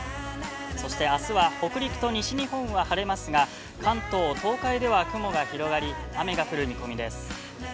そしてあすは北陸と西日本は晴れますが、関東東海では雲が広がり、雨が降る見込みです。